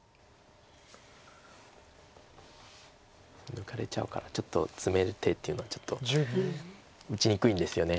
抜かれちゃうからツメる手っていうのはちょっと打ちにくいんですよね。